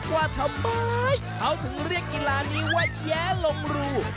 ว่าทำไมเขาถึงเรียกกีฬานี้ว่าแย้ลงรู